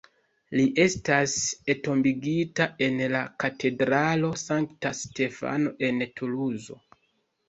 Li estas entombigita en la Katedralo Sankta Stefano en Tuluzo.